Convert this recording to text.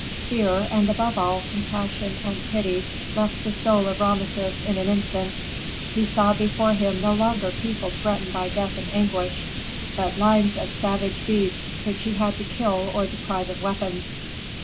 Fear and, above all, compassion and pity left the soul of Rameses in an instant. He saw before him no longer people threatened by death and anguish, but lines of savage beasts which he had to kill or deprive of weapons.